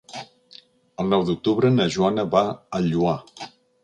El nou d'octubre na Joana va al Lloar.